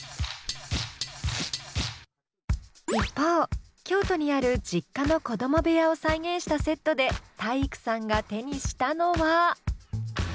一方京都にある実家の子供部屋を再現したセットで体育さんが手にしたのは。